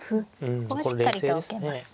ここはしっかりと受けますね。